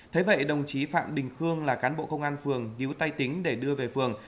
thế vậy đồng chí phạm đình khương là cán bộ công an phường nhú tay tính để đưa về phường